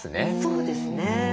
そうですね。